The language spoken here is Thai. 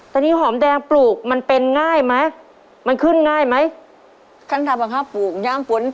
แต่นี่หอมแดงปลูกมันเป็นง่ายมั้ย